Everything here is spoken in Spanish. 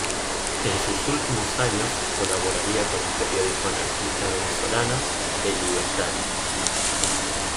En sus últimos años colaboraría con el periódico anarquista venezolano "El Libertario".